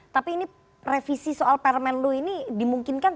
tapi ini revisi soal permen lu ini dimungkinkan